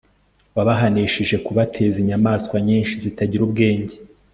wabahanishije kubateza inyamaswa nyinshi zitagira ubwenge